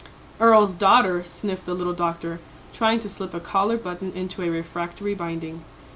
"Earl's daughter," sniffed the little doctor, trying to slip a collar button into a refractory binding.